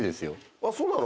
あっそうなの？